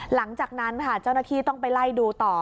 หลังจากนั้นค่ะเจ้าหน้าที่ต้องไปไล่ดูต่อ